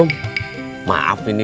nih makan dulu nih